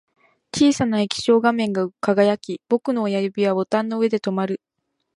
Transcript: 小さな液晶画面が輝き、僕の親指はボタンの上で止まる